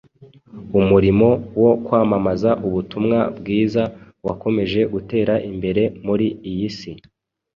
Umurimo wo kwamamaza Ubutumwa Bwiza wakomeje gutera imbere muri iyi si